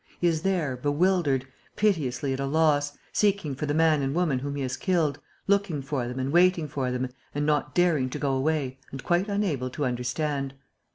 He is there, bewildered, piteously at a loss, seeking for the man and woman whom he has killed, looking for them and waiting for them and not daring to go away and quite unable to understand.